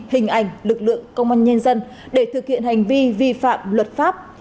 hình ảnh lực lượng công an nhân dân để thực hiện hành vi vi phạm luật pháp